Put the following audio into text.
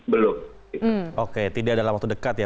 jadi sequel mungkin masih mungkin tapi mungkin tidak dalam waktu dekat ya